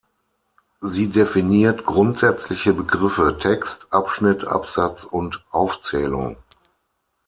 Sie definiert grundsätzliche Begriffe Text, Abschnitt, Absatz und Aufzählung.